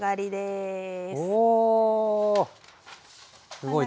すごい。